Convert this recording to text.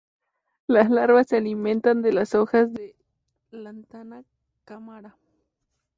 Las larvas se alimentan de las hojas de "Lantana camara".